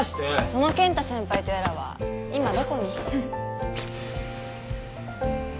その健太先輩とやらは今どこに？